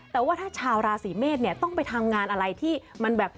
แต่ว่าถ้าชาวราศีเมษเนี่ยต้องไปทำงานอะไรที่มันแบบ